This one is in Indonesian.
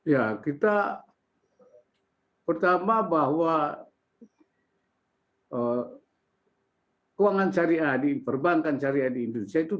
ya kita pertama bahwa keuangan syariah di perbankan syariah di indonesia itu